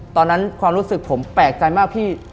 ตอนนั้นความรู้สึกผมแปลกใจมากพี่